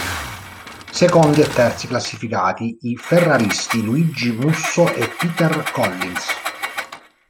Secondi e terzi classificati i ferraristi Luigi Musso e Peter Collins.